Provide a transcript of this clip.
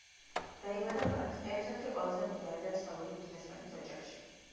დაიბადა ქვეყნის ერთ-ერთი ყველაზე მდიდარი და ცნობილი ბიზნესმენის ოჯახში.